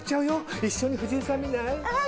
一緒に藤井さん見ない？